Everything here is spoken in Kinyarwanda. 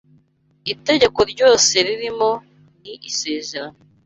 Itegeko ryose ririmo ni isezerano